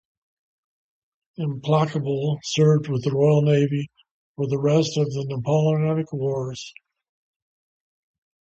"Implacable" served with the Royal Navy for the rest of the Napoleonic Wars.